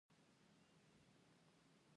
زده کړه د نجونو د څیړنې مهارتونه لوړوي.